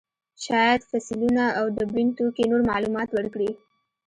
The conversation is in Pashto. شاید فسیلونه او ډبرین توکي نور معلومات ورکړي.